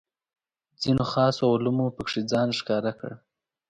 ځینو خاصو علومو پکې ځان ښکاره کړ.